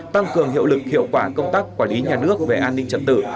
tăng cường hiệu lực hiệu quả công tác quản lý nhà nước về an ninh trật tự